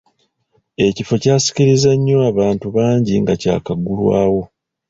Ekifo kyasikiriza nnyo abantu bangi nga kyakagulwawo.